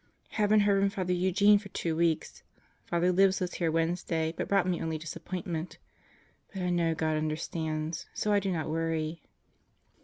..* Haven't heard from Father Eugene for two weeks. Father Libs was here Wednesday but brought me only disappointment. But I know God understands, so I do not worry.